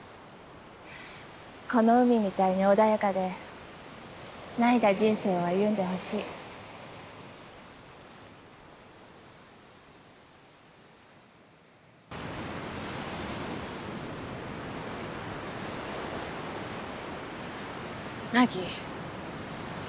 この海みたいに穏やかで凪いだ人生を歩んでほしい凪。